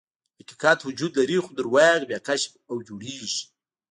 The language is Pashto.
حقیقت وجود لري، خو درواغ بیا کشف او جوړیږي.